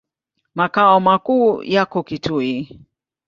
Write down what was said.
Makao makuu yako Kitui.